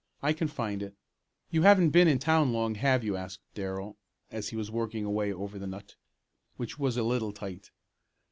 I can find it. You haven't been in town long, have you?" asked Darrell, as he was working away over the nut, which was a little tight.